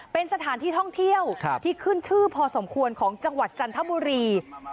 เป็นสถานที่ท่องเที่ยวที่ขึ้นชื่อพอสมควรของจังหวัดจันทบุรี